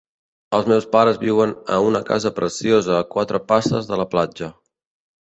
Els meus pares viuen a una casa preciosa a quatre passes de la platja.